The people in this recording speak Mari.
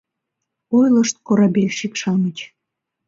Ойлышт корабельщик-шамыч: